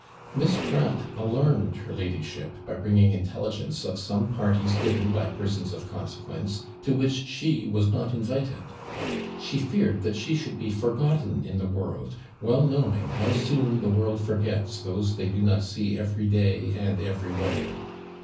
Miss Pratt alarmed her ladyship, by bringing intelligence of some parties given by persons of consequence, to which she was not invited. She feared that she should be forgotten in the world, well knowing how soon the world forgets those they do not see every day and everywhere.